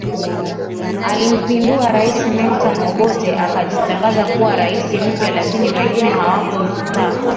alimpindua rais Milton Obote akajitangaza kuwa rais mpya lakini wengine hawakumtaka